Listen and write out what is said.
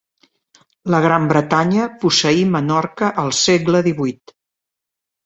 La Gran Bretanya posseí Menorca al segle divuit.